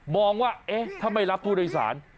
ว่าเอ๊ะถ้าไม่รับผู้โดยสาร